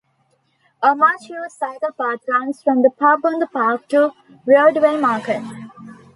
A much-used cycle path runs from the "Pub on the Park" to Broadway Market.